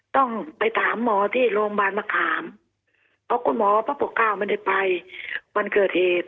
ต้องไปถามหมอที่โรงพยาบาลมะขามเพราะคุณหมอพระปกเก้าไม่ได้ไปวันเกิดเหตุ